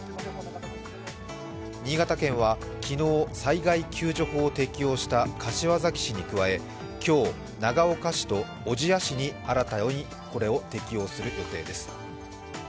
新潟県は昨日、災害救助法を適用し今日、長岡市と小千谷市に新たにこれを適用する予定です。